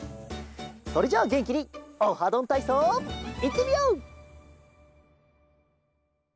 それじゃあげんきに「オハどんたいそう」いってみよう！